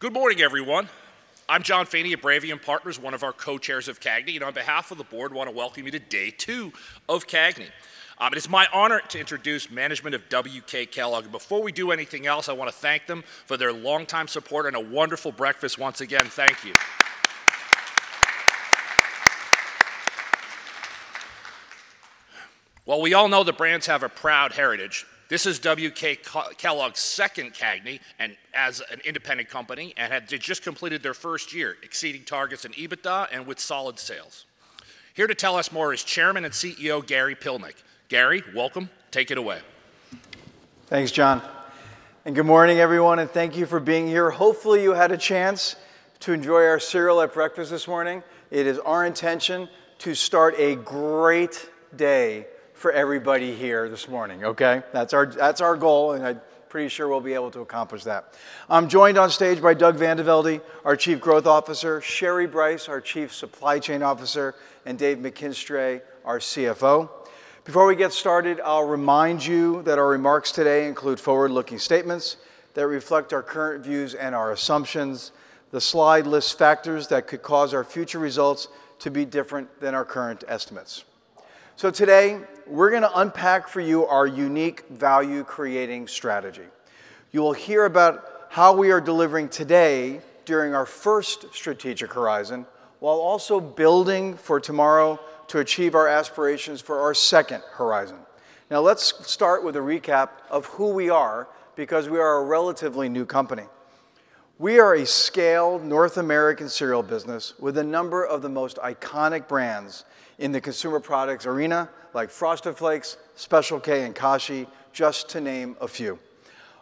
Good morning, everyone. I'm Jon Feeney at Bravium Partners, one of our co-chairs of CAGNY. On behalf of the board, I want to welcome you to day two of CAGNY. It is my honor to introduce management of WK Kellogg, and before we do anything else, I want to thank them for their long-time support and a wonderful breakfast. Once again, thank you, well, we all know that brands have a proud heritage. This is WK Kellogg's second CAGNY as an independent company and had just completed their first year, exceeding targets in EBITDA and with solid sales. Here to tell us more is Chairman and CEO Gary Pilnick. Gary, welcome. Take it away. Thanks, Jon. And good morning, everyone. And thank you for being here. Hopefully, you had a chance to enjoy our cereal at breakfast this morning. It is our intention to start a great day for everybody here this morning. Okay? That's our goal. And I'm pretty sure we'll be able to accomplish that. I'm joined on stage by Doug VanDeVelde, our Chief Growth Officer; Sherry Brice, our Chief Supply Chain Officer; and Dave McKinstray, our CFO. Before we get started, I'll remind you that our remarks today include forward-looking statements that reflect our current views and our assumptions. The slide lists factors that could cause our future results to be different than our current estimates. So today, we're going to unpack for you our unique value-creating strategy. You will hear about how we are delivering today during our first strategic horizon, while also building for tomorrow to achieve our aspirations for our second horizon. Now, let's start with a recap of who we are, because we are a relatively new company. We are a scaled North American cereal business with a number of the most iconic brands in the consumer products arena, like Frosted Flakes, Special K, and Kashi, just to name a few.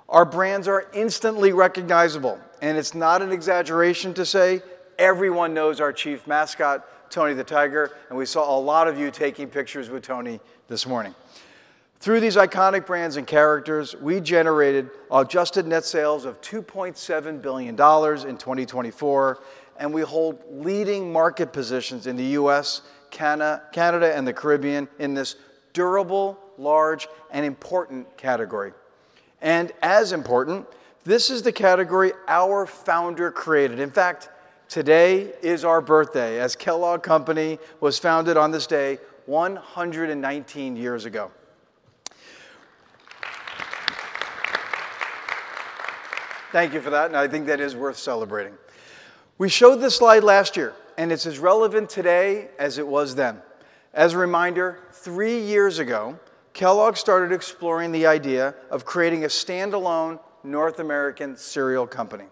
Our brands are instantly recognizable, and it's not an exaggeration to say everyone knows our chief mascot, Tony the Tiger, and we saw a lot of you taking pictures with Tony this morning. Through these iconic brands and characters, we generated adjusted net sales of $2.7 billion in 2024, and we hold leading market positions in the U.S., Canada, and the Caribbean in this durable, large, and important category. As important, this is the category our founder created. In fact, today is our birthday, as Kellogg Company was founded on this day 119 years ago. Thank you for that. I think that is worth celebrating. We showed this slide last year. It's as relevant today as it was then. As a reminder, three years ago, Kellogg started exploring the idea of creating a standalone North American cereal company.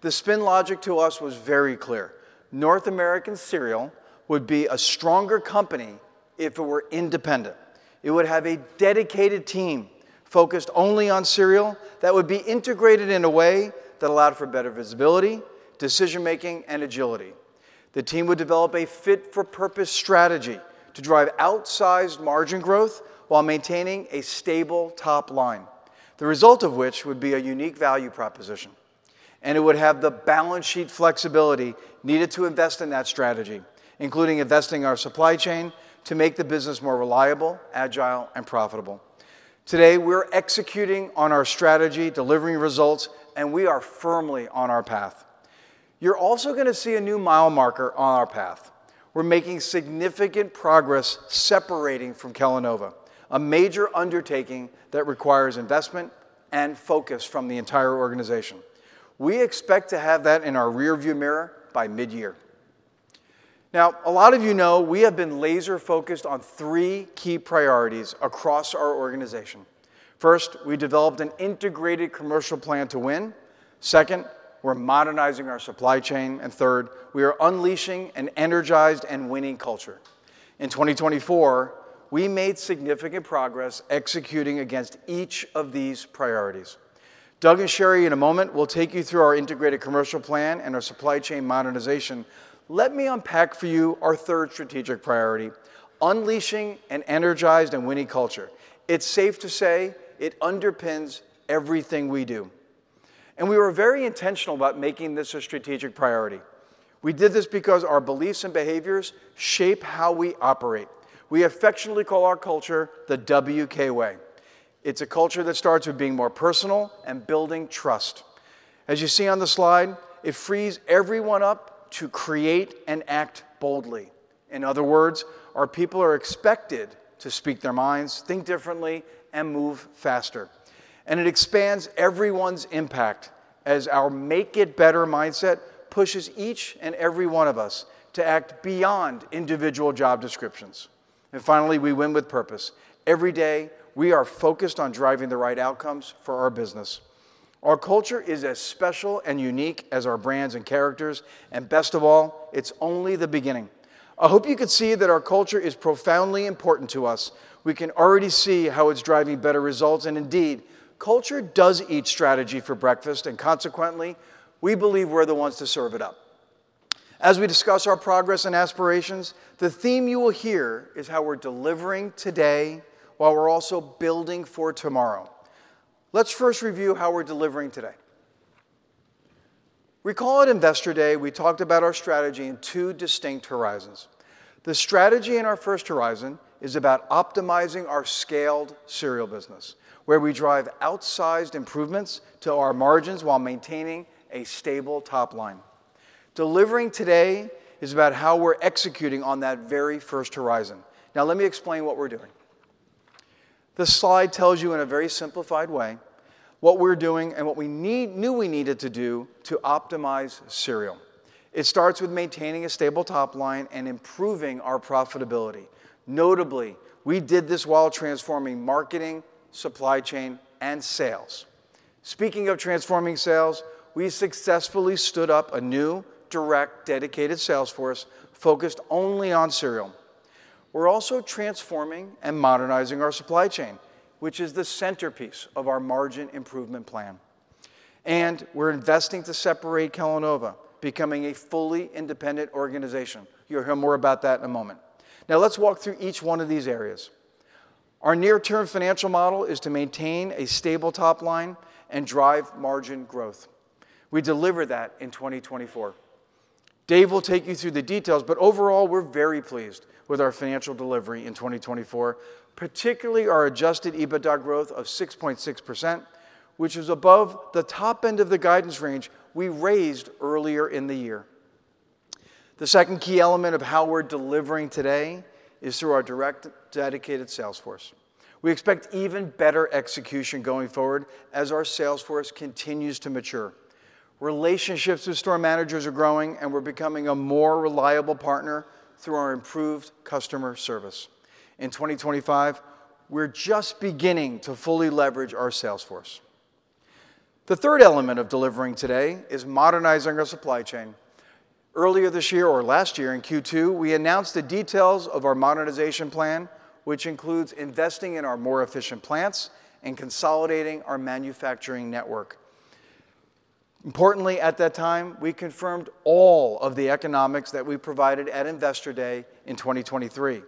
The spin logic to us was very clear. North American cereal would be a stronger company if it were independent. It would have a dedicated team focused only on cereal that would be integrated in a way that allowed for better visibility, decision-making, and agility. The team would develop a fit-for-purpose strategy to drive outsized margin growth while maintaining a stable top line, the result of which would be a unique value proposition. And it would have the balance sheet flexibility needed to invest in that strategy, including investing our supply chain to make the business more reliable, agile, and profitable. Today, we're executing on our strategy, delivering results, and we are firmly on our path. You're also going to see a new mile marker on our path. We're making significant progress separating from Kellanova, a major undertaking that requires investment and focus from the entire organization. We expect to have that in our rearview mirror by mid-year. Now, a lot of you know we have been laser-focused on three key priorities across our organization. First, we developed an integrated commercial plan to win. Second, we're modernizing our supply chain. And third, we are unleashing an energized and winning culture. In 2024, we made significant progress executing against each of these priorities. Doug and Sherry, in a moment, will take you through our integrated commercial plan and our supply chain modernization. Let me unpack for you our third strategic priority: unleashing an energized and winning culture. It's safe to say it underpins everything we do. And we were very intentional about making this a strategic priority. We did this because our beliefs and behaviors shape how we operate. We affectionately call our culture the WK Way. It's a culture that starts with being more personal and building trust. As you see on the slide, it frees everyone up to create and act boldly. In other words, our people are expected to speak their minds, think differently, and move faster. And it expands everyone's impact as our make-it-better mindset pushes each and every one of us to act beyond individual job descriptions. And finally, we win with purpose. Every day, we are focused on driving the right outcomes for our business. Our culture is as special and unique as our brands and characters. And best of all, it's only the beginning. I hope you could see that our culture is profoundly important to us. We can already see how it's driving better results. And indeed, culture does eat strategy for breakfast. And consequently, we believe we're the ones to serve it up. As we discuss our progress and aspirations, the theme you will hear is how we're delivering today while we're also building for tomorrow. Let's first review how we're delivering today. Recall at Investor Day, we talked about our strategy in two distinct horizons. The strategy in our first horizon is about optimizing our scaled cereal business, where we drive outsized improvements to our margins while maintaining a stable top line. Delivering today is about how we're executing on that very first horizon. Now, let me explain what we're doing. The slide tells you in a very simplified way what we're doing and what we knew we needed to do to optimize cereal. It starts with maintaining a stable top line and improving our profitability. Notably, we did this while transforming marketing, supply chain, and sales. Speaking of transforming sales, we successfully stood up a new, direct, dedicated sales force focused only on cereal. We're also transforming and modernizing our supply chain, which is the centerpiece of our margin improvement plan, and we're investing to separate Kellanova, becoming a fully independent organization. You'll hear more about that in a moment. Now, let's walk through each one of these areas. Our near-term financial model is to maintain a stable top line and drive margin growth. We delivered that in 2024. Dave will take you through the details. But overall, we're very pleased with our financial delivery in 2024, particularly our adjusted EBITDA growth of 6.6%, which is above the top end of the guidance range we raised earlier in the year. The second key element of how we're delivering today is through our direct, dedicated sales force. We expect even better execution going forward as our sales force continues to mature. Relationships with store managers are growing, and we're becoming a more reliable partner through our improved customer service. In 2025, we're just beginning to fully leverage our sales force. The third element of delivering today is modernizing our supply chain. Earlier this year or last year in Q2, we announced the details of our modernization plan, which includes investing in our more efficient plants and consolidating our manufacturing network. Importantly, at that time, we confirmed all of the economics that we provided at Investor Day in 2023,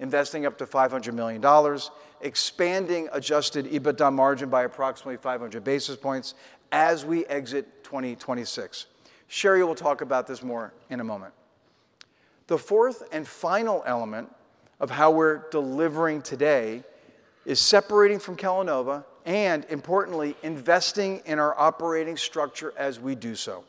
investing up to $500 million, expanding adjusted EBITDA margin by approximately 500 basis points as we exit 2026. Sherry will talk about this more in a moment. The fourth and final element of how we're delivering today is separating from Kellanova and, importantly, investing in our operating structure as we do so.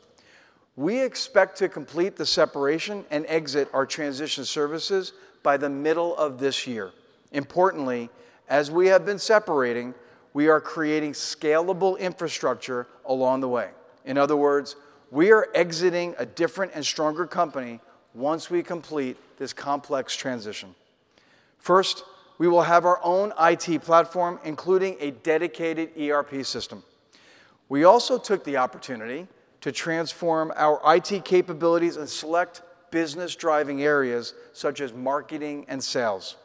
We expect to complete the separation and exit our transition services by the middle of this year. Importantly, as we have been separating, we are creating scalable infrastructure along the way. In other words, we are exiting a different and stronger company once we complete this complex transition. First, we will have our own IT platform, including a dedicated ERP system. We also took the opportunity to transform our IT capabilities and select business-driving areas such as marketing and sales.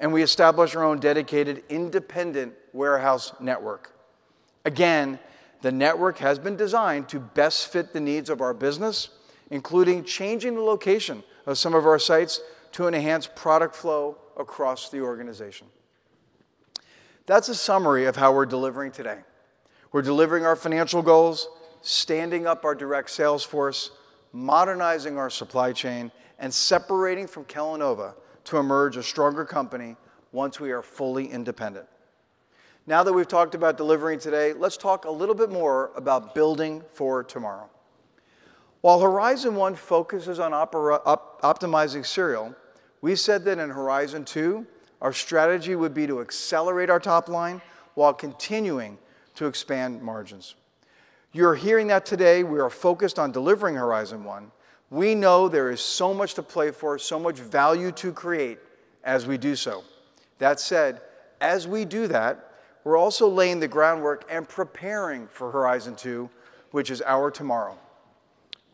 We established our own dedicated independent warehouse network. Again, the network has been designed to best fit the needs of our business, including changing the location of some of our sites to enhance product flow across the organization. That's a summary of how we're delivering today. We're delivering our financial goals, standing up our direct sales force, modernizing our supply chain, and separating from Kellanova to emerge a stronger company once we are fully independent. Now that we've talked about delivering today, let's talk a little bit more about building for tomorrow. While Horizon One focuses on optimizing cereal, we said that in Horizon Two, our strategy would be to accelerate our top line while continuing to expand margins. You're hearing that today. We are focused on delivering Horizon One. We know there is so much to play for, so much value to create as we do so. That said, as we do that, we're also laying the groundwork and preparing for Horizon Two, which is our tomorrow.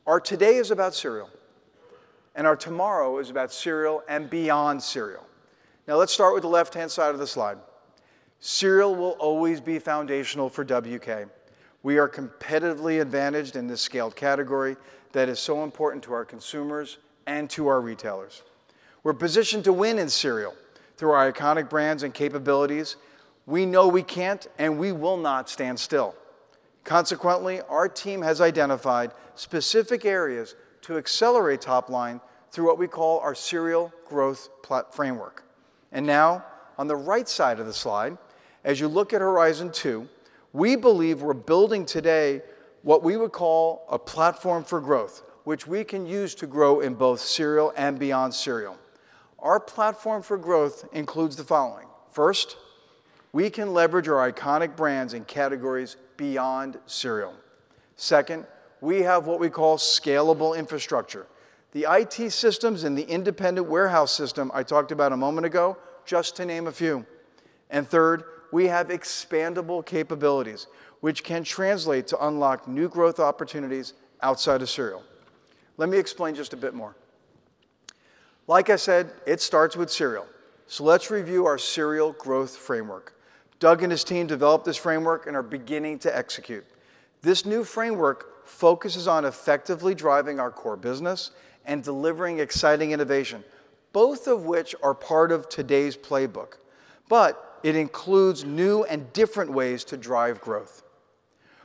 Our today is about cereal, and our tomorrow is about cereal and beyond cereal. Now, let's start with the left-hand side of the slide. Cereal will always be foundational for WK. We are competitively advantaged in this scaled category that is so important to our consumers and to our retailers. We're positioned to win in cereal through our iconic brands and capabilities. We know we can't and we will not stand still. Consequently, our team has identified specific areas to accelerate top-line through what we call our Cereal Growth Framework. And now, on the right side of the slide, as you look at Horizon Two, we believe we're building today what we would call a Platform for Growth, which we can use to grow in both cereal and beyond cereal. Our Platform for Growth includes the following. First, we can leverage our iconic brands and categories beyond cereal. Second, we have what we call scalable infrastructure. The IT systems and the independent warehouse system I talked about a moment ago, just to name a few. And third, we have expandable capabilities, which can translate to unlock new growth opportunities outside of cereal. Let me explain just a bit more. Like I said, it starts with cereal. So let's review our Cereal Growth Framework. Doug and his team developed this framework and are beginning to execute. This new framework focuses on effectively driving our core business and delivering exciting innovation, both of which are part of today's playbook. But it includes new and different ways to drive growth.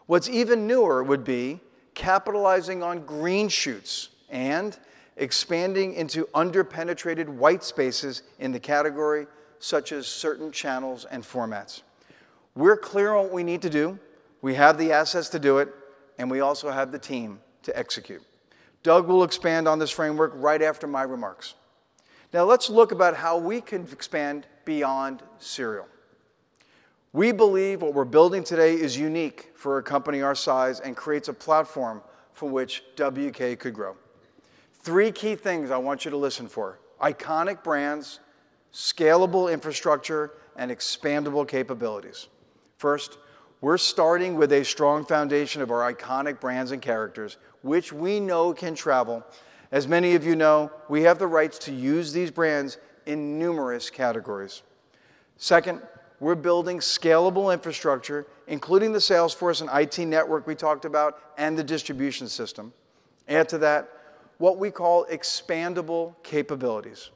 What's even newer would be capitalizing on green shoots and expanding into under-penetrated white spaces in the category, such as certain channels and formats. We're clear on what we need to do. We have the assets to do it, and we also have the team to execute. Doug will expand on this framework right after my remarks. Now, let's talk about how we can expand beyond cereal. We believe what we're building today is unique for a company our size and creates a platform from which WK could grow. Three key things I want you to listen for: iconic brands, scalable infrastructure, and expandable capabilities. First, we're starting with a strong foundation of our iconic brands and characters, which we know can travel. As many of you know, we have the rights to use these brands in numerous categories. Second, we're building scalable infrastructure, including the sales force and IT network we talked about and the distribution system. Add to that what we call expandable capabilities.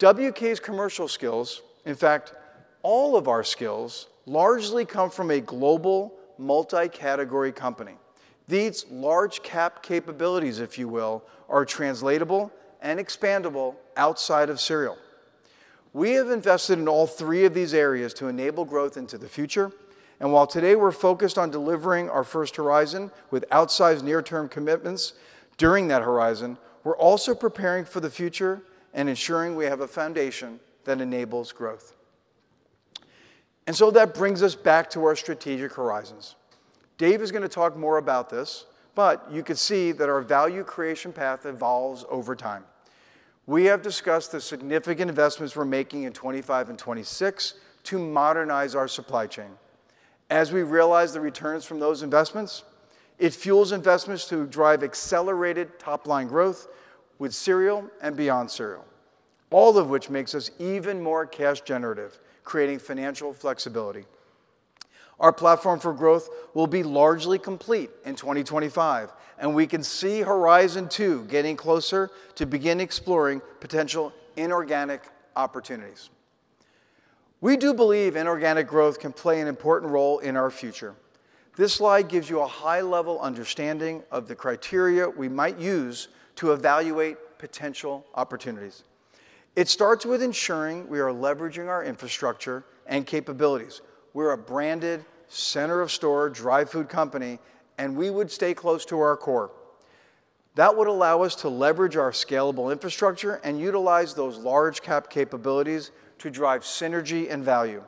WK's commercial skills, in fact, all of our skills, largely come from a global multi-category company. These large-cap capabilities, if you will, are translatable and expandable outside of cereal. We have invested in all three of these areas to enable growth into the future. And while today we're focused on delivering our first horizon with outsized near-term commitments during that horizon, we're also preparing for the future and ensuring we have a foundation that enables growth. And so that brings us back to our strategic horizons. Dave is going to talk more about this, but you could see that our value creation path evolves over time. We have discussed the significant investments we're making in 2025 and 2026 to modernize our supply chain. As we realize the returns from those investments, it fuels investments to drive accelerated top-line growth with cereal and beyond cereal, all of which makes us even more cash-generative, creating financial flexibility. Our platform for growth will be largely complete in 2025, and we can see Horizon Two getting closer to begin exploring potential inorganic opportunities. We do believe inorganic growth can play an important role in our future. This slide gives you a high-level understanding of the criteria we might use to evaluate potential opportunities. It starts with ensuring we are leveraging our infrastructure and capabilities. We're a branded center-of-store dry food company, and we would stay close to our core. That would allow us to leverage our scalable infrastructure and utilize those large-cap capabilities to drive synergy and value.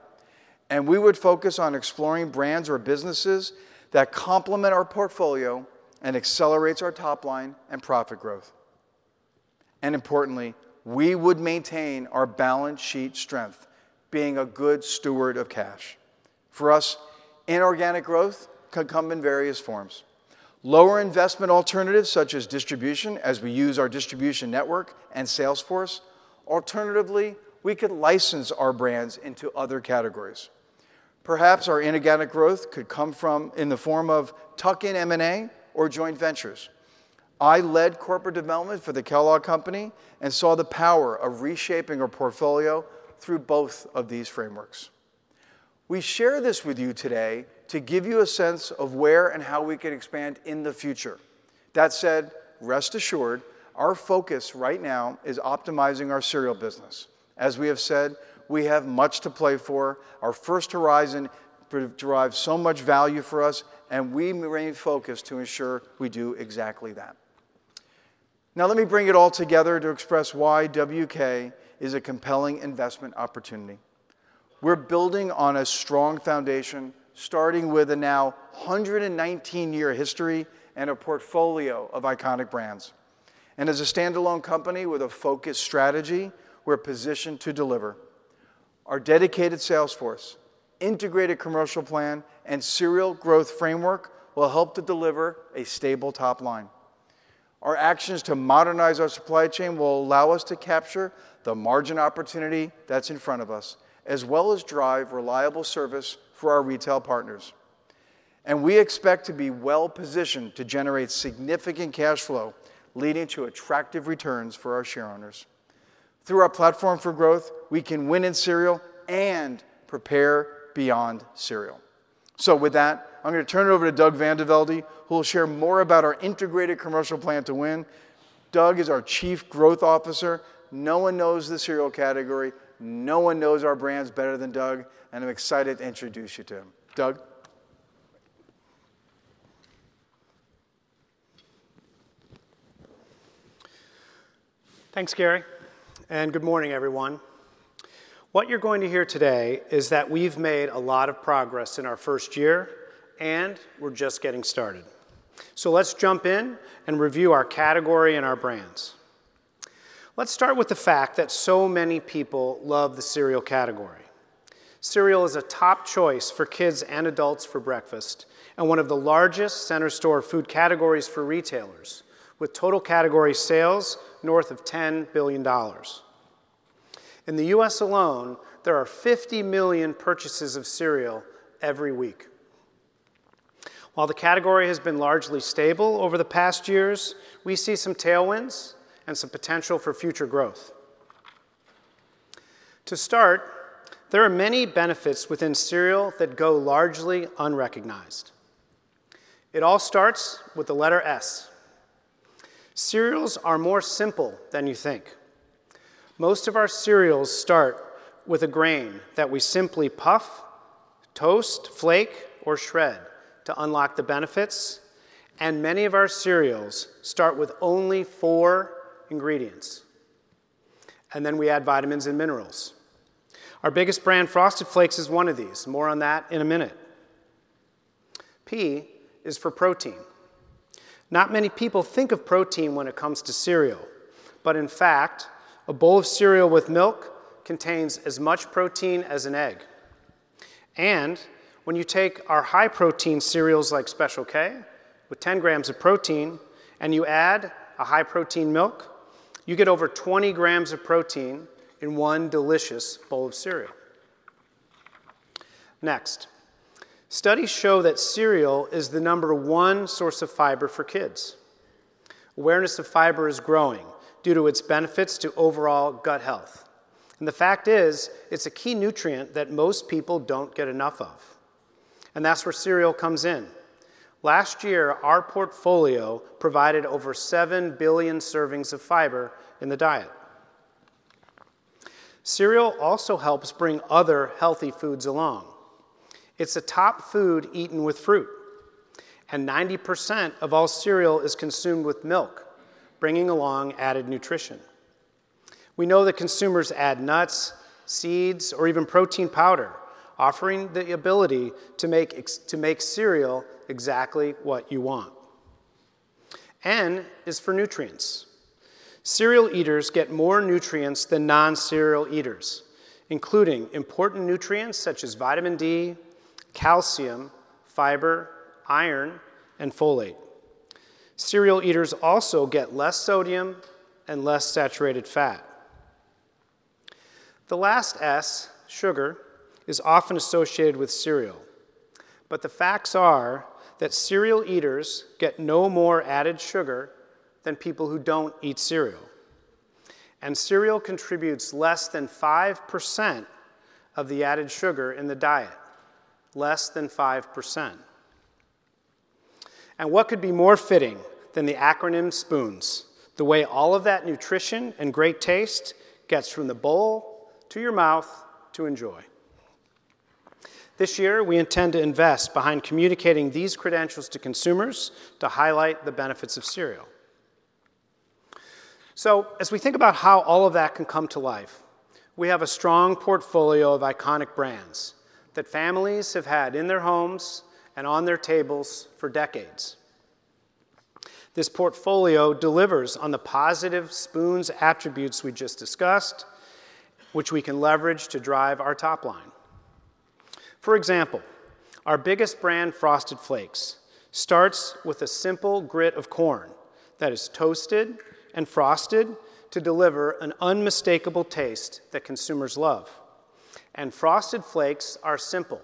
And we would focus on exploring brands or businesses that complement our portfolio and accelerate our top line and profit growth. And importantly, we would maintain our balance sheet strength, being a good steward of cash. For us, inorganic growth can come in various forms. Lower investment alternatives such as distribution as we use our distribution network and sales force. Alternatively, we could license our brands into other categories. Perhaps our inorganic growth could come in the form of tuck-in M&A or joint ventures. I led corporate development for the Kellogg Company and saw the power of reshaping our portfolio through both of these frameworks. We share this with you today to give you a sense of where and how we could expand in the future. That said, rest assured, our focus right now is optimizing our cereal business. As we have said, we have much to play for. Our first horizon drives so much value for us, and we remain focused to ensure we do exactly that. Now, let me bring it all together to express why WK is a compelling investment opportunity. We're building on a strong foundation, starting with a now 119-year history and a portfolio of iconic brands, and as a standalone company with a focused strategy, we're positioned to deliver. Our dedicated sales force, integrated commercial plan, and Cereal Growth Framework will help to deliver a stable top line. Our actions to modernize our supply chain will allow us to capture the margin opportunity that's in front of us, as well as drive reliable service for our retail partners. And we expect to be well-positioned to generate significant cash flow, leading to attractive returns for our shareowners. Through our platform for growth, we can win in cereal and prepare beyond cereal. So with that, I'm going to turn it over to Doug VanDeVelde, who will share more about our integrated commercial plan to win. Doug is our Chief Growth Officer. No one knows the cereal category. No one knows our brands better than Doug. And I'm excited to introduce you to him. Doug. Thanks, Gary. And good morning, everyone. What you're going to hear today is that we've made a lot of progress in our first year, and we're just getting started. So let's jump in and review our category and our brands. Let's start with the fact that so many people love the cereal category. Cereal is a top choice for kids and adults for breakfast and one of the largest center-store food categories for retailers, with total category sales north of $10 billion. In the U.S. alone, there are 50 million purchases of cereal every week. While the category has been largely stable over the past years, we see some tailwinds and some potential for future growth. To start, there are many benefits within cereal that go largely unrecognized. It all starts with the letter S. Cereals are more simple than you think. Most of our cereals start with a grain that we simply puff, toast, flake, or shred to unlock the benefits, and many of our cereals start with only four ingredients, and then we add vitamins and minerals. Our biggest brand, Frosted Flakes, is one of these. More on that in a minute. P is for protein. Not many people think of protein when it comes to cereal, but in fact, a bowl of cereal with milk contains as much protein as an egg. And when you take our high-protein cereals like Special K with 10 grams of protein and you add a high-protein milk, you get over 20 grams of protein in one delicious bowl of cereal. Next, studies show that cereal is the number one source of fiber for kids. Awareness of fiber is growing due to its benefits to overall gut health. And the fact is, it's a key nutrient that most people don't get enough of. And that's where cereal comes in. Last year, our portfolio provided over 7 billion servings of fiber in the diet. Cereal also helps bring other healthy foods along. It's a top food eaten with fruit. 90% of all cereal is consumed with milk, bringing along added nutrition. We know that consumers add nuts, seeds, or even protein powder, offering the ability to make cereal exactly what you want. N is for nutrients. Cereal eaters get more nutrients than non-cereal eaters, including important nutrients such as vitamin D, calcium, fiber, iron, and folate. Cereal eaters also get less sodium and less saturated fat. The last S, sugar, is often associated with cereal. But the facts are that cereal eaters get no more added sugar than people who don't eat cereal. And cereal contributes less than 5% of the added sugar in the diet, less than 5%. And what could be more fitting than the acronym SPOONS, the way all of that nutrition and great taste gets from the bowl to your mouth to enjoy? This year, we intend to invest behind communicating these credentials to consumers to highlight the benefits of cereal. So as we think about how all of that can come to life, we have a strong portfolio of iconic brands that families have had in their homes and on their tables for decades. This portfolio delivers on the positive SPOONS attributes we just discussed, which we can leverage to drive our top line. For example, our biggest brand, Frosted Flakes, starts with a simple grit of corn that is toasted and frosted to deliver an unmistakable taste that consumers love, and Frosted Flakes are simple,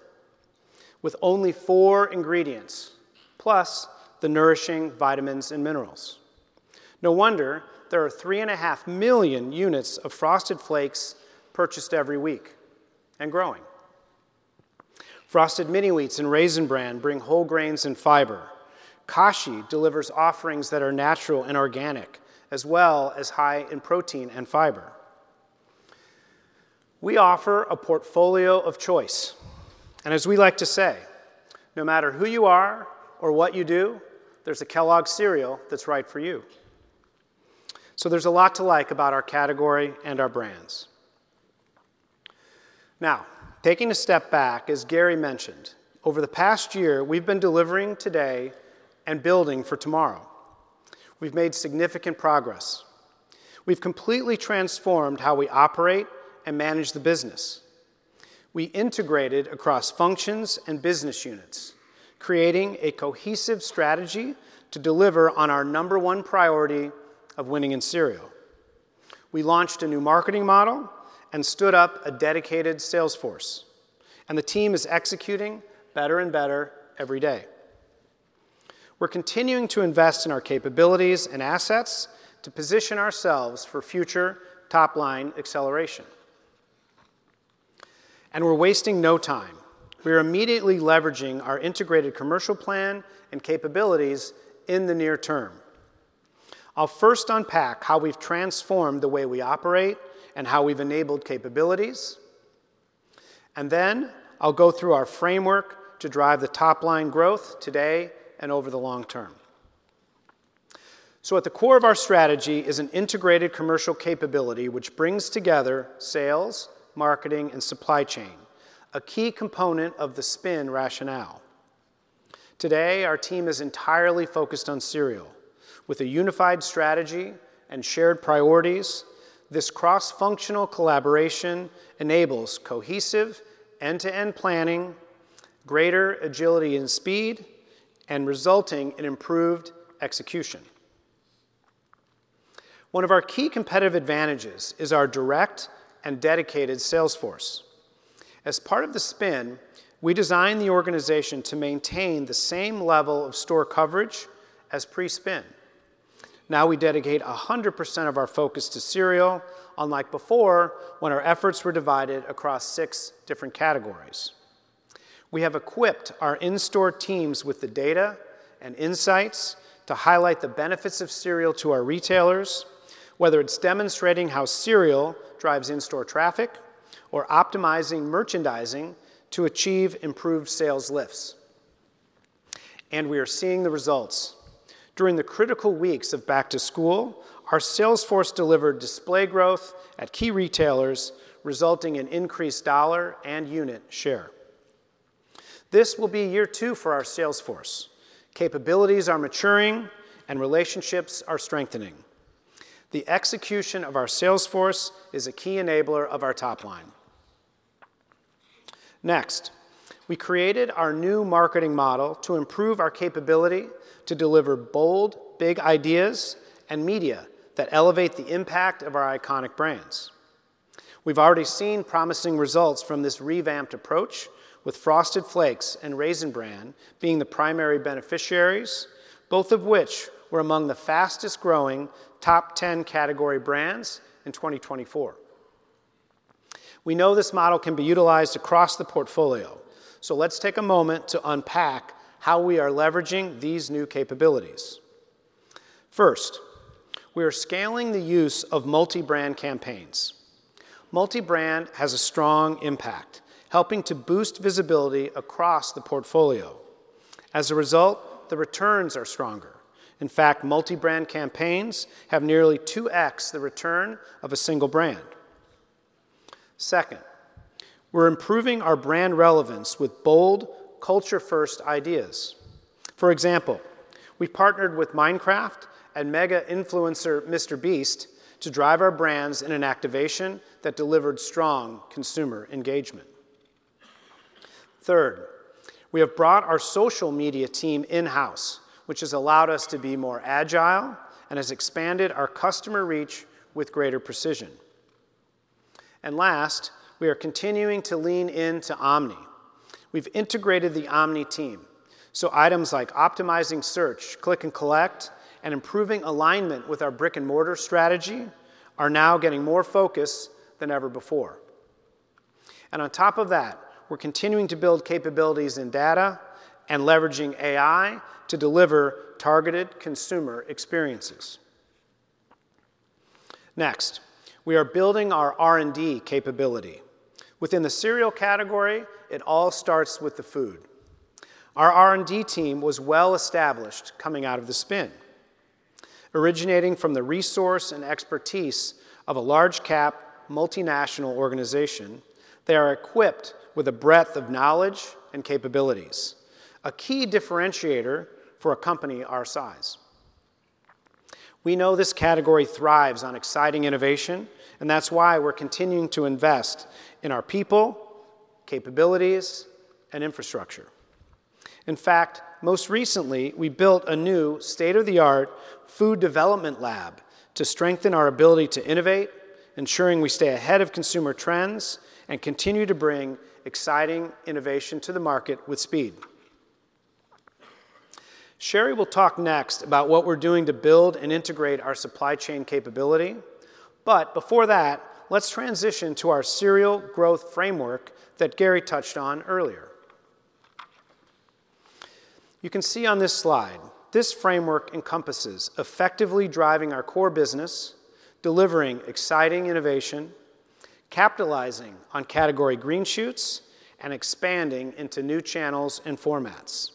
with only four ingredients, plus the nourishing vitamins and minerals. No wonder there are 3.5 million units of Frosted Flakes purchased every week and growing. Frosted Mini-Wheats and Raisin Bran bring whole grains and fiber. Kashi delivers offerings that are natural and organic, as well as high in protein and fiber. We offer a portfolio of choice, and as we like to say, no matter who you are or what you do, there's a Kellogg cereal that's right for you, so there's a lot to like about our category and our brands. Now, taking a step back, as Gary mentioned, over the past year, we've been delivering today and building for tomorrow. We've made significant progress. We've completely transformed how we operate and manage the business. We integrated across functions and business units, creating a cohesive strategy to deliver on our number one priority of winning in cereal. We launched a new marketing model and stood up a dedicated sales force, and the team is executing better and better every day. We're continuing to invest in our capabilities and assets to position ourselves for future top-line acceleration, and we're wasting no time. We are immediately leveraging our integrated commercial plan and capabilities in the near term. I'll first unpack how we've transformed the way we operate and how we've enabled capabilities, and then I'll go through our framework to drive the top-line growth today and over the long term. At the core of our strategy is an integrated commercial capability, which brings together sales, marketing, and supply chain, a key component of the spin rationale. Today, our team is entirely focused on cereal. With a unified strategy and shared priorities, this cross-functional collaboration enables cohesive end-to-end planning, greater agility and speed, and resulting in improved execution. One of our key competitive advantages is our direct and dedicated sales force. As part of the spin, we designed the organization to maintain the same level of store coverage as pre-spin. Now we dedicate 100% of our focus to cereal, unlike before when our efforts were divided across six different categories. We have equipped our in-store teams with the data and insights to highlight the benefits of cereal to our retailers, whether it's demonstrating how cereal drives in-store traffic or optimizing merchandising to achieve improved sales lifts, and we are seeing the results. During the critical weeks of back-to-school, our sales force delivered display growth at key retailers, resulting in increased dollar and unit share. This will be year two for our sales force. Capabilities are maturing and relationships are strengthening. The execution of our sales force is a key enabler of our top line. Next, we created our new marketing model to improve our capability to deliver bold, big ideas and media that elevate the impact of our iconic brands. We've already seen promising results from this revamped approach, with Frosted Flakes and Raisin Bran being the primary beneficiaries, both of which were among the fastest-growing top 10 category brands in 2024. We know this model can be utilized across the portfolio. So let's take a moment to unpack how we are leveraging these new capabilities. First, we are scaling the use of multi-brand campaigns. Multi-brand has a strong impact, helping to boost visibility across the portfolio. As a result, the returns are stronger. In fact, multi-brand campaigns have nearly 2x the return of a single brand. Second, we're improving our brand relevance with bold, culture-first ideas. For example, we partnered with Minecraft and mega influencer MrBeast. MrBeast to drive our brands in an activation that delivered strong consumer engagement. Third, we have brought our social media team in-house, which has allowed us to be more agile and has expanded our customer reach with greater precision. And last, we are continuing to lean into Omni. We've integrated the Omni team. So items like optimizing search, click and collect, and improving alignment with our brick-and-mortar strategy are now getting more focused than ever before. And on top of that, we're continuing to build capabilities in data and leveraging AI to deliver targeted consumer experiences. Next, we are building our R&D capability. Within the cereal category, it all starts with the food. Our R&D team was well established coming out of the spin. Originating from the resource and expertise of a large-cap multinational organization, they are equipped with a breadth of knowledge and capabilities, a key differentiator for a company our size. We know this category thrives on exciting innovation, and that's why we're continuing to invest in our people, capabilities, and infrastructure. In fact, most recently, we built a new state-of-the-art food development lab to strengthen our ability to innovate, ensuring we stay ahead of consumer trends and continue to bring exciting innovation to the market with speed. Sherry will talk next about what we're doing to build and integrate our supply chain capability. But before that, let's transition to our Cereal Growth Framework that Gary touched on earlier. You can see on this slide, this framework encompasses effectively driving our core business, delivering exciting innovation, capitalizing on category green shoots, and expanding into new channels and formats.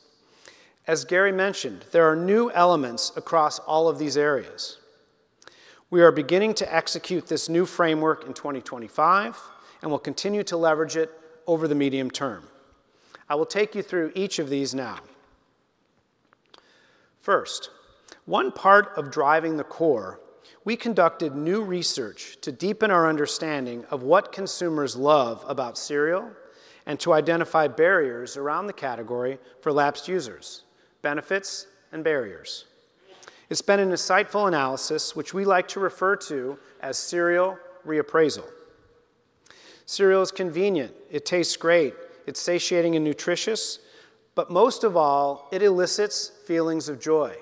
As Gary mentioned, there are new elements across all of these areas. We are beginning to execute this new framework in 2025 and will continue to leverage it over the medium term. I will take you through each of these now. First, one part of driving the core, we conducted new research to deepen our understanding of what consumers love about cereal and to identify barriers around the category for lapsed users, benefits, and barriers. It's been an insightful analysis, which we like to refer to as cereal reappraisal. Cereal is convenient. It tastes great. It's satiating and nutritious. But most of all, it elicits feelings of joy.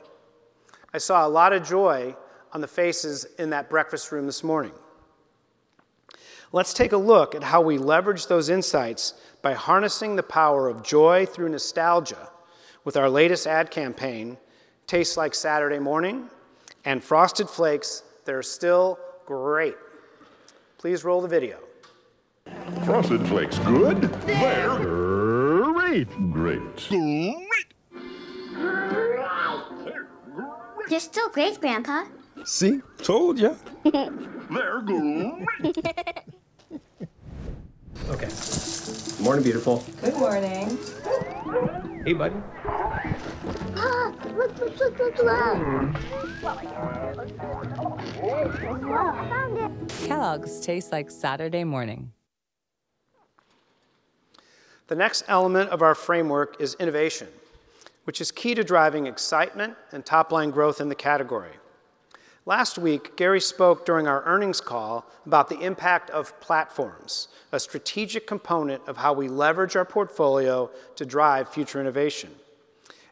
I saw a lot of joy on the faces in that breakfast room this morning. Let's take a look at how we leverage those insights by harnessing the power of joy through nostalgia with our latest ad campaign, Tastes Like Saturday Morning, and Frosted Flakes. They're still great. Please roll the video. Frosted Flakes, good? They're great. Great. Great. They're still great, Grandpa. See, told you. They're great. Okay. Good morning, beautiful. Good morning. Hey, buddy. Look, look, look, look, look. Kellogg's Tastes Like Saturday Morning. The next element of our framework is innovation, which is key to driving excitement and top-line growth in the category. Last week, Gary spoke during our earnings call about the impact of platforms, a strategic component of how we leverage our portfolio to drive future innovation.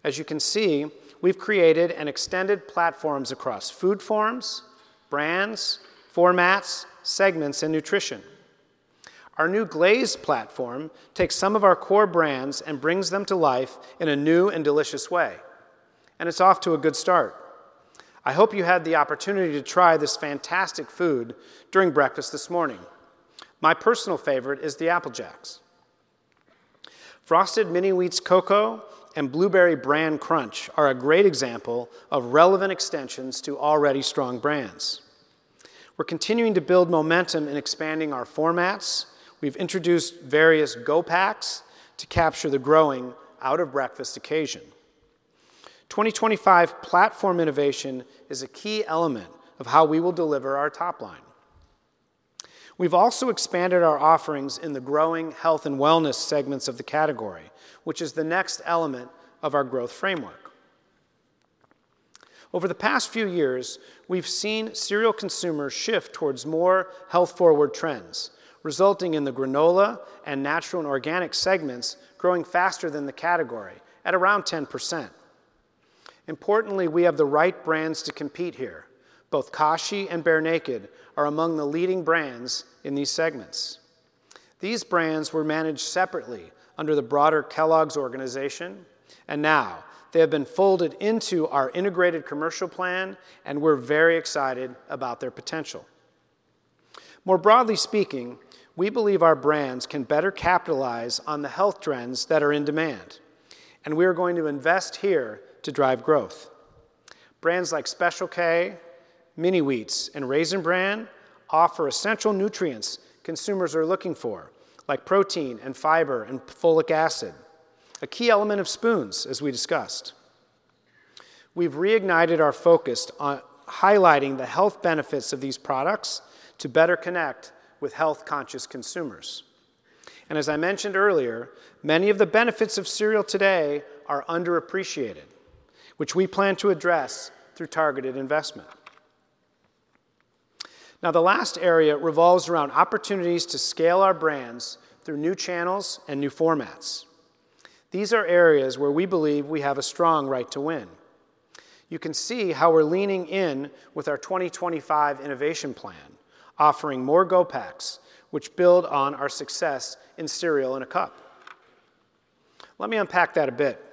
As you can see, we've created and extended platforms across food forms, brands, formats, segments, and nutrition. Our new Glaze platform takes some of our core brands and brings them to life in a new and delicious way, and it's off to a good start. I hope you had the opportunity to try this fantastic food during breakfast this morning. My personal favorite is the Apple Jacks. Frosted Mini-Wheats Cocoa and Blueberry Bran Crunch are a great example of relevant extensions to already strong brands. We're continuing to build momentum in expanding our formats. We've introduced various Go Packs to capture the growing out-of-breakfast occasion. 2025 platform innovation is a key element of how we will deliver our top line. We've also expanded our offerings in the growing health and wellness segments of the category, which is the next element of our growth framework. Over the past few years, we've seen cereal consumers shift towards more health-forward trends, resulting in the granola and natural and organic segments growing faster than the category at around 10%. Importantly, we have the right brands to compete here. Both Kashi and Bear Naked are among the leading brands in these segments. These brands were managed separately under the broader Kellogg's organization, and now they have been folded into our integrated commercial plan, and we're very excited about their potential. More broadly speaking, we believe our brands can better capitalize on the health trends that are in demand, and we are going to invest here to drive growth. Brands like Special K, Mini-Wheats, and Raisin Bran offer essential nutrients consumers are looking for, like protein and fiber and folic acid, a key element of SPOONS, as we discussed. We've reignited our focus on highlighting the health benefits of these products to better connect with health-conscious consumers, and as I mentioned earlier, many of the benefits of cereal today are underappreciated, which we plan to address through targeted investment. Now, the last area revolves around opportunities to scale our brands through new channels and new formats. These are areas where we believe we have a strong right to win. You can see how we're leaning in with our 2025 innovation plan, offering more Go Packs, which build on our success in cereal in a cup. Let me unpack that a bit.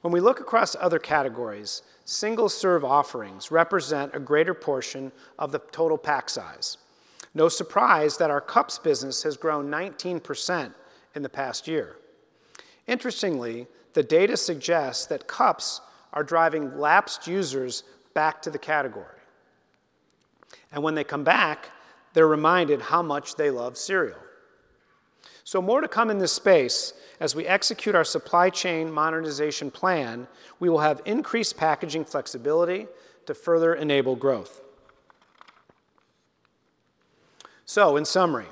When we look across other categories, single-serve offerings represent a greater portion of the total pack size. No surprise that our cups business has grown 19% in the past year. Interestingly, the data suggests that cups are driving lapsed users back to the category. And when they come back, they're reminded how much they love cereal. So more to come in this space as we execute our supply chain modernization plan, we will have increased packaging flexibility to further enable growth. So in summary,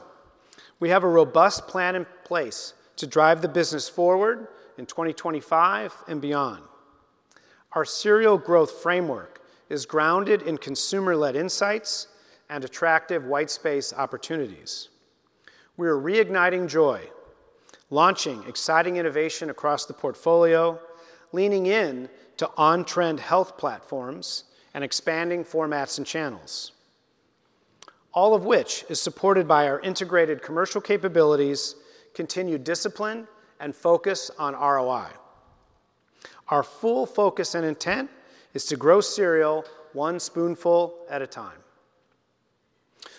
we have a robust plan in place to drive the business forward in 2025 and beyond. Our Cereal Growth Framework is grounded in consumer-led insights and attractive white space opportunities. We are reigniting joy, launching exciting innovation across the portfolio, leaning in to on-trend health platforms, and expanding formats and channels, all of which is supported by our integrated commercial capabilities, continued discipline, and focus on ROI. Our full focus and intent is to grow cereal one spoonful at a time.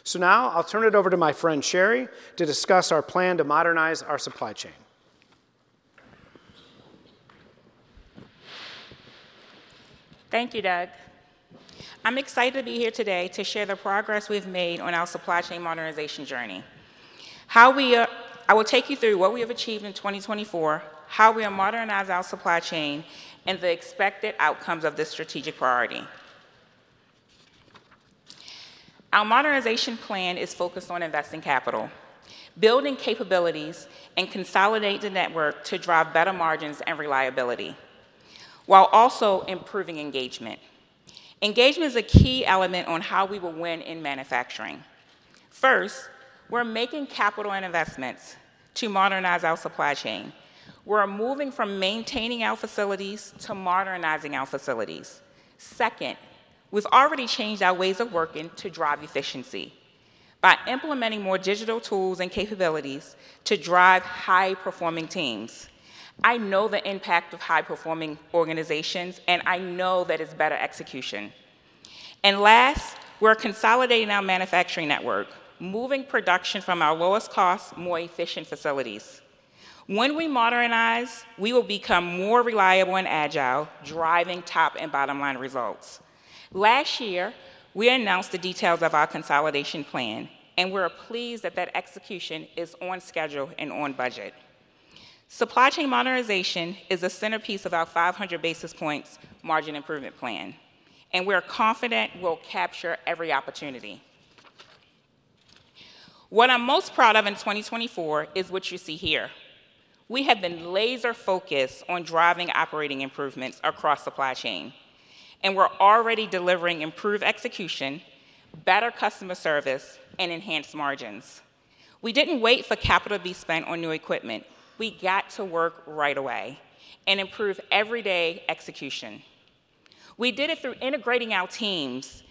So now I'll turn it over to my friend Sherry to discuss our plan to modernize our supply chain. Thank you, Doug. I'm excited to be here today to share the progress we've made on our supply chain modernization journey. I will take you through what we have achieved in 2024, how we have modernized our supply chain, and the expected outcomes of this strategic priority. Our modernization plan is focused on investing capital, building capabilities, and consolidating the network to drive better margins and reliability while also improving engagement. Engagement is a key element on how we will win in manufacturing. First, we're making capital investments to modernize our supply chain. We're moving from maintaining our facilities to modernizing our facilities. Second, we've already changed our ways of working to drive efficiency by implementing more digital tools and capabilities to drive high-performing teams. I know the impact of high-performing organizations, and I know that it's better execution. Last, we're consolidating our manufacturing network, moving production from our lowest cost, more efficient facilities. When we modernize, we will become more reliable and agile, driving top and bottom-line results. Last year, we announced the details of our consolidation plan, and we're pleased that execution is on schedule and on budget. Supply chain modernization is the centerpiece of our 500 basis points margin improvement plan, and we're confident we'll capture every opportunity. What I'm most proud of in 2024 is what you see here. We have been laser-focused on driving operating improvements across supply chain, and we're already delivering improved execution, better customer service, and enhanced margins. We didn't wait for capital to be spent on new equipment. We got to work right away and improve everyday execution. We did it through integrating our teams,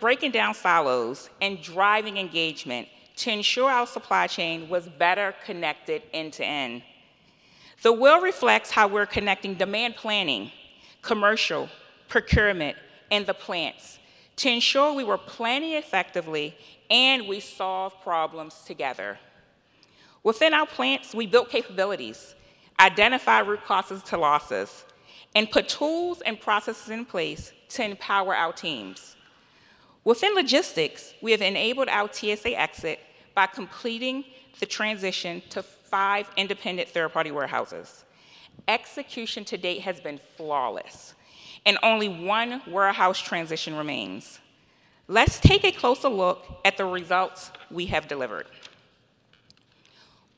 breaking down silos, and driving engagement to ensure our supply chain was better connected end to end. The will reflects how we're connecting demand planning, commercial procurement, and the plants to ensure we were planning effectively and we solved problems together. Within our plants, we built capabilities, identified root causes to losses, and put tools and processes in place to empower our teams. Within logistics, we have enabled our TSA exit by completing the transition to five independent third-party warehouses. Execution to date has been flawless, and only one warehouse transition remains. Let's take a closer look at the results we have delivered.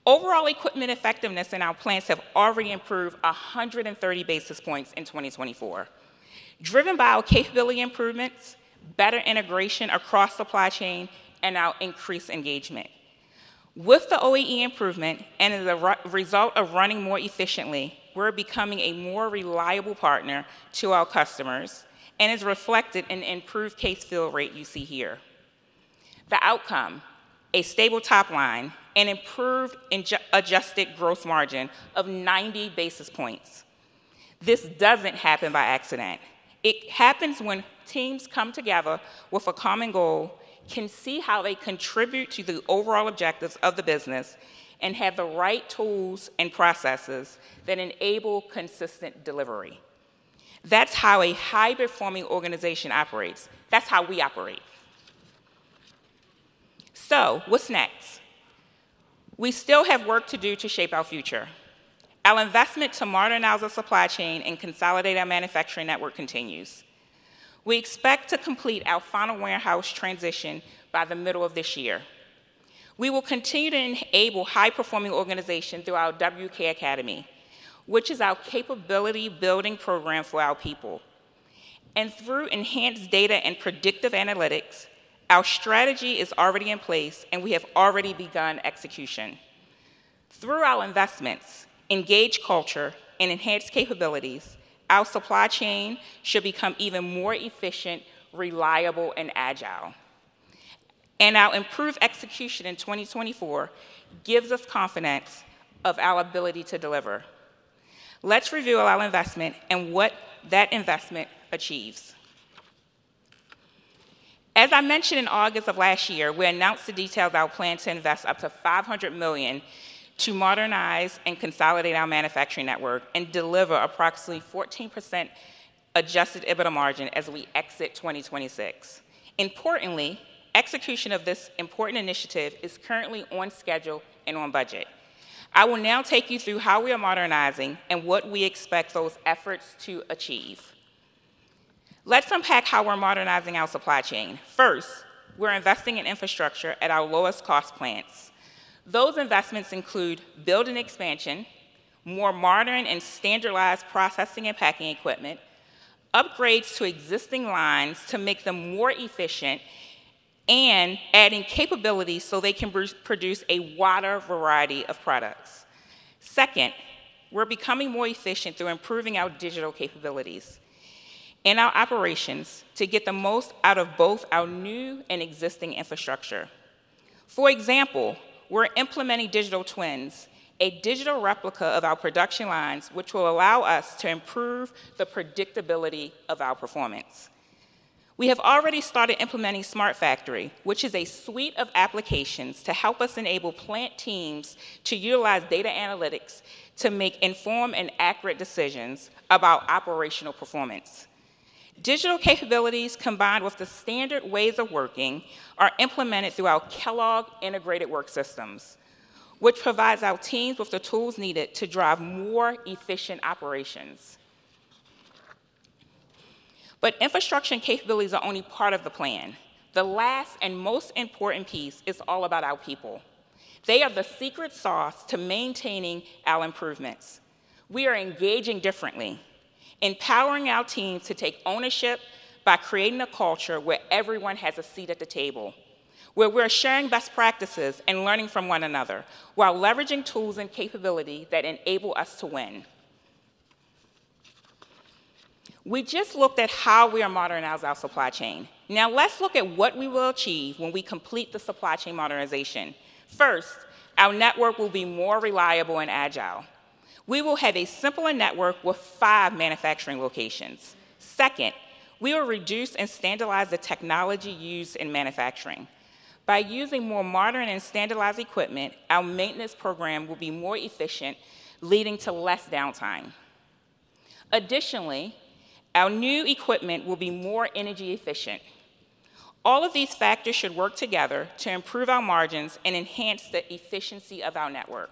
Overall equipment effectiveness in our plants has already improved 130 basis points in 2024, driven by our capability improvements, better integration across supply chain, and our increased engagement. With the OEE improvement and as a result of running more efficiently, we're becoming a more reliable partner to our customers, and it's reflected in the improved case fill rate you see here. The outcome, a stable top line and improved adjusted gross margin of 90 basis points. This doesn't happen by accident. It happens when teams come together with a common goal, can see how they contribute to the overall objectives of the business, and have the right tools and processes that enable consistent delivery. That's how a high-performing organization operates. That's how we operate. So what's next? We still have work to do to shape our future. Our investment to modernize our supply chain and consolidate our manufacturing network continues. We expect to complete our final warehouse transition by the middle of this year. We will continue to enable high-performing organizations through our WK Academy, which is our capability-building program for our people, and through enhanced data and predictive analytics, our strategy is already in place, and we have already begun execution. Through our investments, engaged culture, and enhanced capabilities, our supply chain should become even more efficient, reliable, and agile, and our improved execution in 2024 gives us confidence of our ability to deliver. Let's review our investment and what that investment achieves. As I mentioned in August of last year, we announced the details of our plan to invest up to $500 million to modernize and consolidate our manufacturing network and deliver approximately 14% adjusted EBITDA margin as we exit 2026. Importantly, execution of this important initiative is currently on schedule and on budget. I will now take you through how we are modernizing and what we expect those efforts to achieve. Let's unpack how we're modernizing our supply chain. First, we're investing in infrastructure at our lowest cost plants. Those investments include building expansion, more modern and standardized processing and packing equipment, upgrades to existing lines to make them more efficient, and adding capabilities so they can produce a wider variety of products. Second, we're becoming more efficient through improving our digital capabilities in our operations to get the most out of both our new and existing infrastructure. For example, we're implementing digital twins, a digital replica of our production lines, which will allow us to improve the predictability of our performance. We have already started implementing Smart Factory, which is a suite of applications to help us enable plant teams to utilize data analytics to make informed and accurate decisions about operational performance. Digital capabilities combined with the standard ways of working are implemented through our Kellogg Integrated Work Systems, which provides our teams with the tools needed to drive more efficient operations. But infrastructure and capabilities are only part of the plan. The last and most important piece is all about our people. They are the secret sauce to maintaining our improvements. We are engaging differently, empowering our teams to take ownership by creating a culture where everyone has a seat at the table, where we're sharing best practices and learning from one another while leveraging tools and capability that enable us to win. We just looked at how we are modernizing our supply chain. Now let's look at what we will achieve when we complete the supply chain modernization. First, our network will be more reliable and agile. We will have a simpler network with five manufacturing locations. Second, we will reduce and standardize the technology used in manufacturing. By using more modern and standardized equipment, our maintenance program will be more efficient, leading to less downtime. Additionally, our new equipment will be more energy efficient. All of these factors should work together to improve our margins and enhance the efficiency of our network.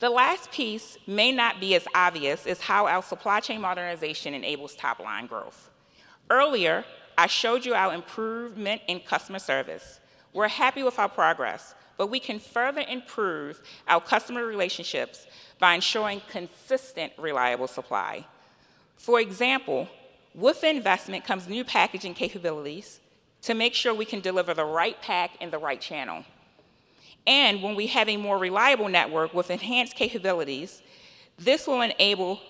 The last piece may not be as obvious as how our supply chain modernization enables top-line growth. Earlier, I showed you our improvement in customer service. We're happy with our progress, but we can further improve our customer relationships by ensuring consistent, reliable supply. For example, with investment comes new packaging capabilities to make sure we can deliver the right pack in the right channel, and when we have a more reliable network with enhanced capabilities, this will enable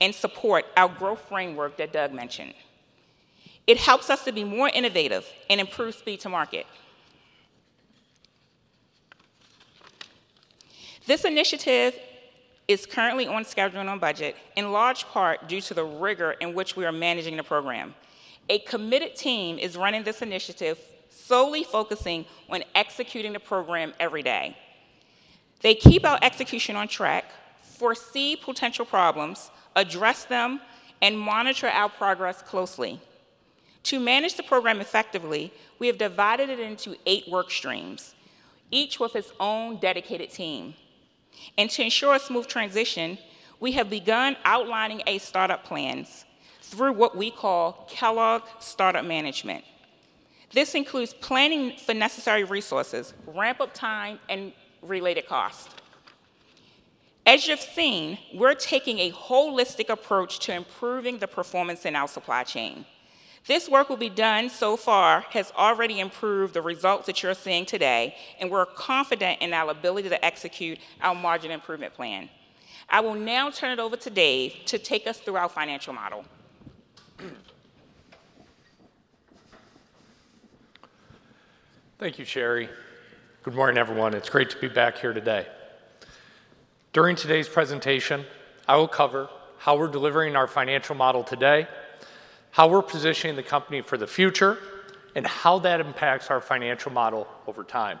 and support our growth framework that Doug mentioned. It helps us to be more innovative and improve speed to market. This initiative is currently on schedule and on budget, in large part due to the rigor in which we are managing the program. A committed team is running this initiative, solely focusing on executing the program every day. They keep our execution on track, foresee potential problems, address them, and monitor our progress closely. To manage the program effectively, we have divided it into eight work streams, each with its own dedicated team, and to ensure a smooth transition, we have begun outlining a startup plan through what we call Kellogg Startup Management. This includes planning for necessary resources, ramp-up time, and related costs. As you've seen, we're taking a holistic approach to improving the performance in our supply chain. This work will be done. So far has already improved the results that you're seeing today, and we're confident in our ability to execute our margin improvement plan. I will now turn it over to Dave to take us through our financial model. Thank you, Sherry. Good morning, everyone. It's great to be back here today. During today's presentation, I will cover how we're delivering our financial model today, how we're positioning the company for the future, and how that impacts our financial model over time.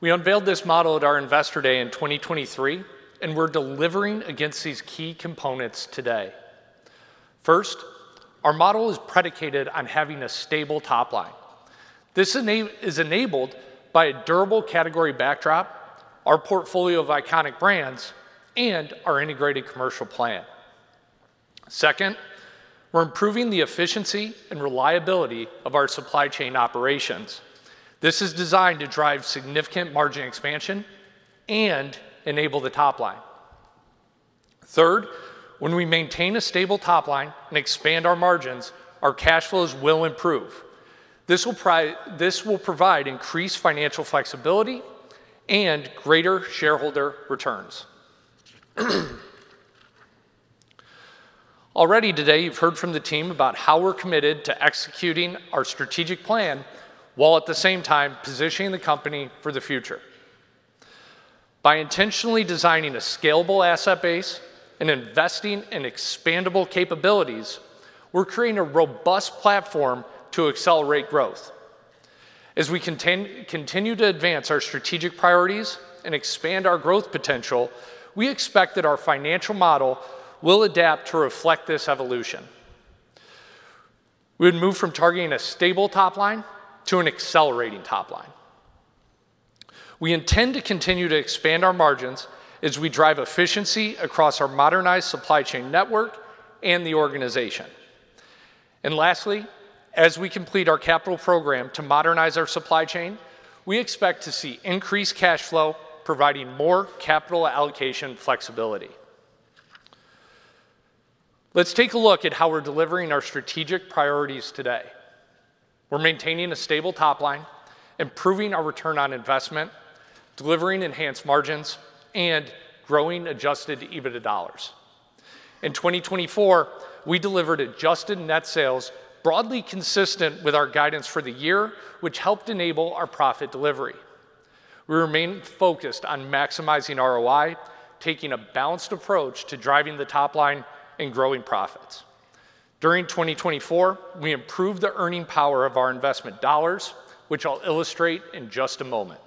We unveiled this model at our Investor Day in 2023, and we're delivering against these key components today. First, our model is predicated on having a stable top line. This is enabled by a durable category backdrop, our portfolio of iconic brands, and our integrated commercial plan. Second, we're improving the efficiency and reliability of our supply chain operations. This is designed to drive significant margin expansion and enable the top line. Third, when we maintain a stable top line and expand our margins, our cash flows will improve. This will provide increased financial flexibility and greater shareholder returns. Already today, you've heard from the team about how we're committed to executing our strategic plan while at the same time positioning the company for the future. By intentionally designing a scalable asset base and investing in expandable capabilities, we're creating a robust platform to accelerate growth. As we continue to advance our strategic priorities and expand our growth potential, we expect that our financial model will adapt to reflect this evolution. We would move from targeting a stable top line to an accelerating top line. We intend to continue to expand our margins as we drive efficiency across our modernized supply chain network and the organization. And lastly, as we complete our capital program to modernize our supply chain, we expect to see increased cash flow, providing more capital allocation flexibility. Let's take a look at how we're delivering our strategic priorities today. We're maintaining a stable top line, improving our return on investment, delivering enhanced margins, and growing adjusted EBITDA dollars. In 2024, we delivered adjusted net sales broadly consistent with our guidance for the year, which helped enable our profit delivery. We remained focused on maximizing ROI, taking a balanced approach to driving the top line and growing profits. During 2024, we improved the earning power of our investment dollars, which I'll illustrate in just a moment.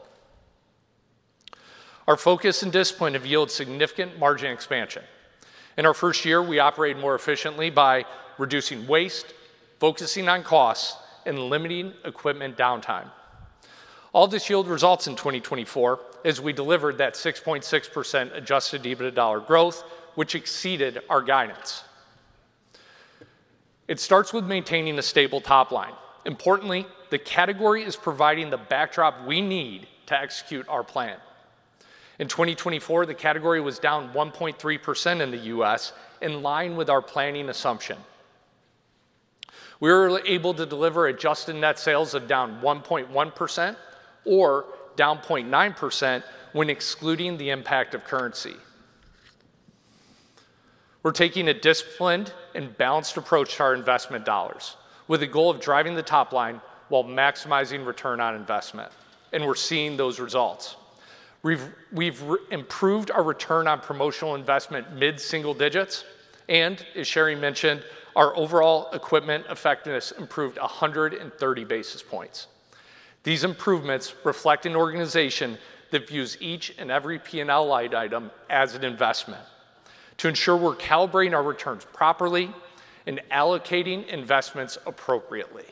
Our focus and discipline have yielded significant margin expansion. In our first year, we operated more efficiently by reducing waste, focusing on costs, and limiting equipment downtime. All this yielded results in 2024 as we delivered that 6.6% adjusted EBITDA dollar growth, which exceeded our guidance. It starts with maintaining a stable top line. Importantly, the category is providing the backdrop we need to execute our plan. In 2024, the category was down 1.3% in the U.S., in line with our planning assumption. We were able to deliver adjusted net sales of down 1.1% or down 0.9% when excluding the impact of currency. We're taking a disciplined and balanced approach to our investment dollars with the goal of driving the top line while maximizing return on investment. And we're seeing those results. We've improved our return on promotional investment mid-single digits. And as Sherry mentioned, our overall equipment effectiveness improved 130 basis points. These improvements reflect an organization that views each and every P&L item as an investment to ensure we're calibrating our returns properly and allocating investments appropriately.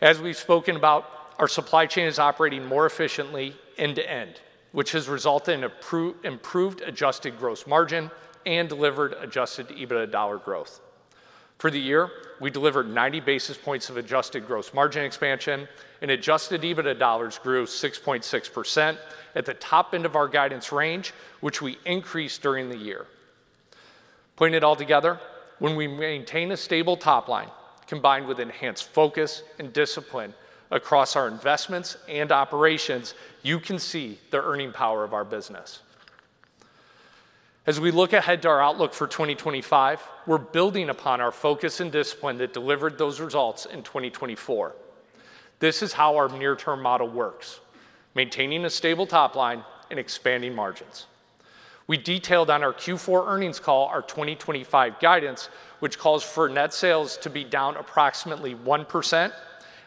As we've spoken about, our supply chain is operating more efficiently end-to-end, which has resulted in improved adjusted gross margin and delivered adjusted EBITDA dollar growth. For the year, we delivered 90 basis points of adjusted gross margin expansion, and adjusted EBITDA dollars grew 6.6% at the top end of our guidance range, which we increased during the year. Put altogether, when we maintain a stable top line combined with enhanced focus and discipline across our investments and operations, you can see the earning power of our business. As we look ahead to our outlook for 2025, we're building upon our focus and discipline that delivered those results in 2024. This is how our near-term model works: maintaining a stable top line and expanding margins. We detailed on our Q4 earnings call our 2025 guidance, which calls for net sales to be down approximately 1%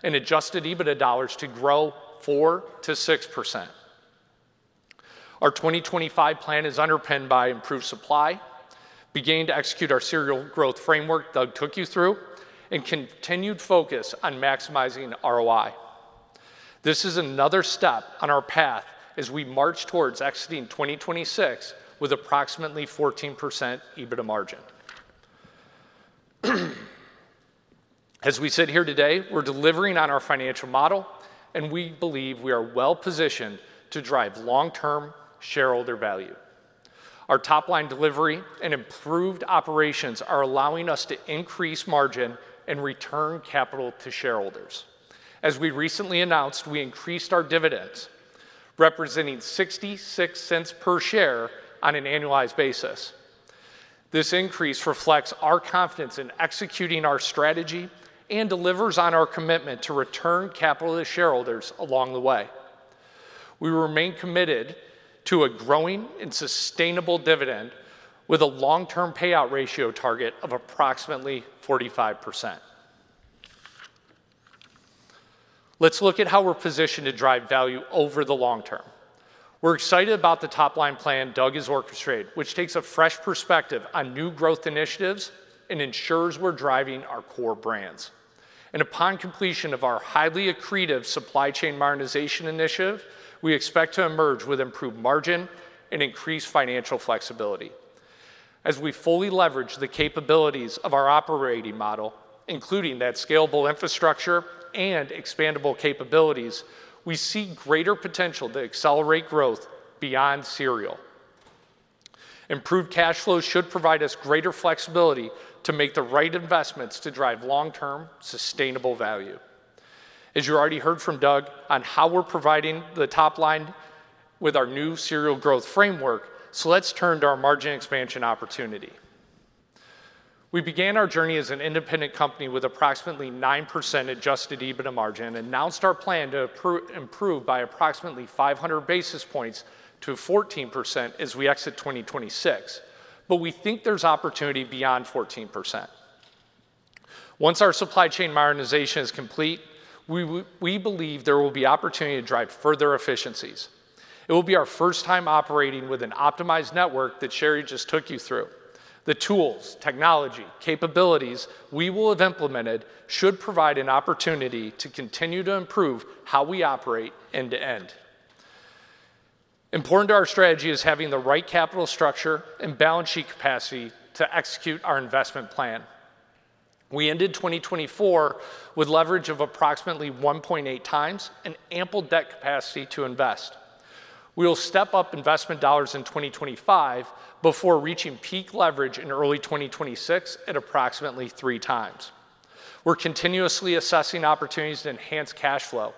and adjusted EBITDA dollars to grow 4%-6%. Our 2025 plan is underpinned by improved supply, beginning to execute our Cereal Growth Framework Doug took you through, and continued focus on maximizing ROI. This is another step on our path as we march towards exiting 2026 with approximately 14% EBITDA margin. As we sit here today, we're delivering on our financial model, and we believe we are well-positioned to drive long-term shareholder value. Our top-line delivery and improved operations are allowing us to increase margin and return capital to shareholders. As we recently announced, we increased our dividends, representing $0.66 per share on an annualized basis. This increase reflects our confidence in executing our strategy and delivers on our commitment to return capital to shareholders along the way. We remain committed to a growing and sustainable dividend with a long-term payout ratio target of approximately 45%. Let's look at how we're positioned to drive value over the long term. We're excited about the top-line plan Doug has orchestrated, which takes a fresh perspective on new growth initiatives and ensures we're driving our core brands, and upon completion of our highly accretive supply chain modernization initiative, we expect to emerge with improved margin and increased financial flexibility. As we fully leverage the capabilities of our operating model, including that scalable infrastructure and expandable capabilities, we see greater potential to accelerate growth beyond cereal. Improved cash flows should provide us greater flexibility to make the right investments to drive long-term sustainable value. As you already heard from Doug on how we're providing the top line with our new Cereal Growth Framework, so let's turn to our margin expansion opportunity. We began our journey as an independent company with approximately 9% adjusted EBITDA margin and announced our plan to improve by approximately 500 basis points to 14% as we exit 2026, but we think there's opportunity beyond 14%. Once our supply chain modernization is complete, we believe there will be opportunity to drive further efficiencies. It will be our first time operating with an optimized network that Sherry just took you through. The tools, technology, capabilities we will have implemented should provide an opportunity to continue to improve how we operate end-to-end. Important to our strategy is having the right capital structure and balance sheet capacity to execute our investment plan. We ended 2024 with leverage of approximately 1.8 times and ample debt capacity to invest. We will step up investment dollars in 2025 before reaching peak leverage in early 2026 at approximately three times. We're continuously assessing opportunities to enhance cash flow.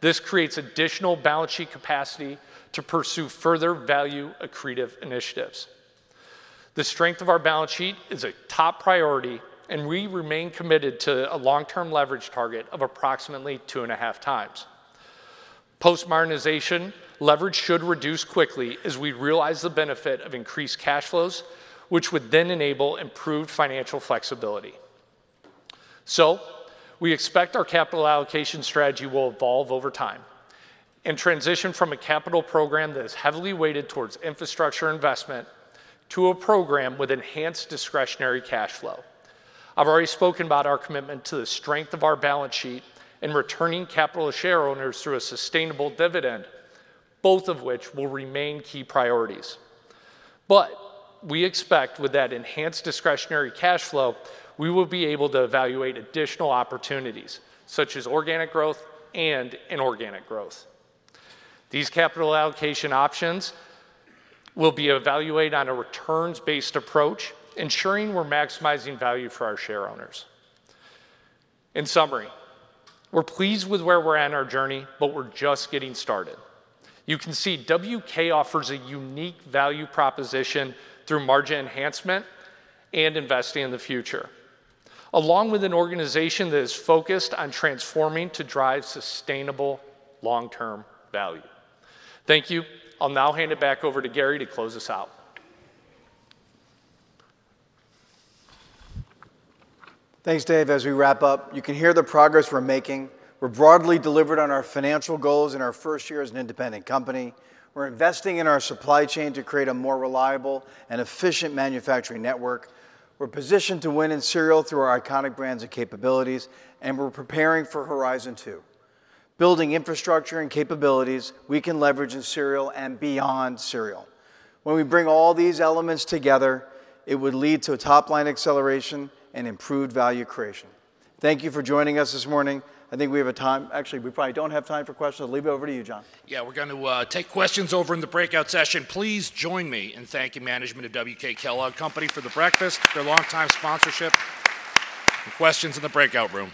This creates additional balance sheet capacity to pursue further value-accretive initiatives. The strength of our balance sheet is a top priority, and we remain committed to a long-term leverage target of approximately two and a half times. Post-modernization, leverage should reduce quickly as we realize the benefit of increased cash flows, which would then enable improved financial flexibility. So we expect our capital allocation strategy will evolve over time and transition from a capital program that is heavily weighted towards infrastructure investment to a program with enhanced discretionary cash flow. I've already spoken about our commitment to the strength of our balance sheet and returning capital to shareowners through a sustainable dividend, both of which will remain key priorities. But we expect with that enhanced discretionary cash flow, we will be able to evaluate additional opportunities such as organic growth and inorganic growth. These capital allocation options will be evaluated on a returns-based approach, ensuring we're maximizing value for our shareowners. In summary, we're pleased with where we're at in our journey, but we're just getting started. You can see WK offers a unique value proposition through margin enhancement and investing in the future, along with an organization that is focused on transforming to drive sustainable long-term value. Thank you. I'll now hand it back over to Gary to close us out. Thanks, Dave. As we wrap up, you can hear the progress we're making. We're broadly delivered on our financial goals in our first year as an independent company. We're investing in our supply chain to create a more reliable and efficient manufacturing network. We're positioned to win in cereal through our iconic brands and capabilities, and we're preparing for Horizon 2. Building infrastructure and capabilities we can leverage in cereal and beyond cereal. When we bring all these elements together, it would lead to a top-line acceleration and improved value creation. Thank you for joining us this morning. I think we have a time, actually, we probably don't have time for questions. I'll leave it over to you, Jon. Yeah, we're going to take questions over in the breakout session. Please join me in thanking management of WK Kellogg Company for the breakfast, their long-time sponsorship, and questions in the breakout room.